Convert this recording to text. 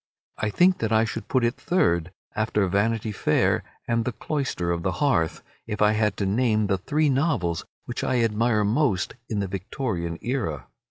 I think that I should put it third after "Vanity Fair" and "The Cloister and the Hearth" if I had to name the three novels which I admire most in the Victorian era.